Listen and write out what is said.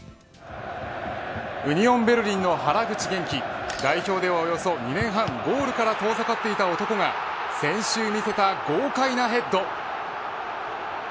ウニオン・ベルリンの原口元気代表ではおよそ２年半ゴールから遠ざかっていた男が先週見せた豪快なヘッド